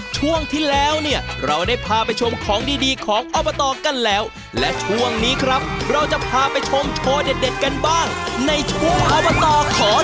ช่วงที่แล้วเนี่ยเราได้พาไปชมของดีดีของอบตกันแล้วและช่วงนี้ครับเราจะพาไปชมโชว์เด็ดกันบ้างในช่วงอบตขอ